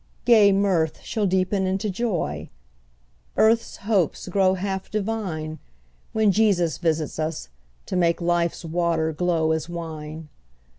Gay mirth shall deepen into joy, Earth's hopes grow half divine, When Jesus visits us, to make Life's water glow as wine.